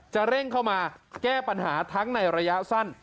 เร่งเข้ามาแก้ปัญหาทั้งในระยะสั้น